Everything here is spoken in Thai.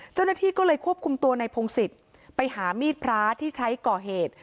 เจ้าหน้าที่ก็เลยควบคุมตัวในพงศิษย์ไปหามีดพระที่ใช้ก่อเหตุ